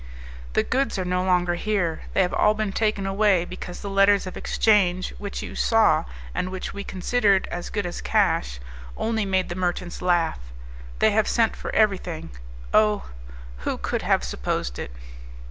"The goods are no longer here; they have all been taken away, because the letters of exchange, which you saw, and which we considered as good as cash, only made the merchants laugh; they have sent for everything. Oh! who could have supposed it?"